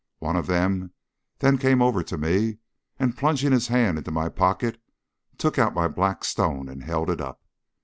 One of them then came over to me, and plunging his hand into my pocket took out my black stone and held it up.